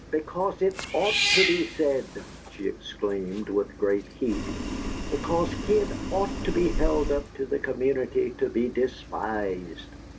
"Because it'd OUGHT to be said!" she exclaimed, with great heat. "Because he'd ought to be held up to the community to be despised.